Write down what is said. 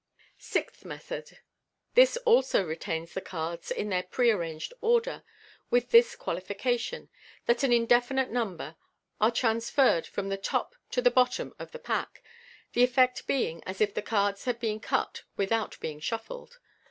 Sixth Method. — This also retains the cards in their pre arranged order, with this qualification, that an indefinite number are trans ferred from the top to the bottom of the pack, the effect being as if the cards had been cut without being shuffled.